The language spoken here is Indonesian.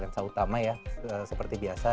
lensa yang utama ya seperti biasa